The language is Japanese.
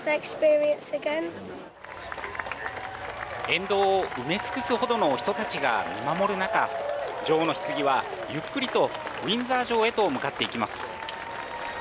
沿道を埋め尽くすほどの人たちが見守る中、女王のひつぎはゆっくりとウィンザー城へと向かっていきます。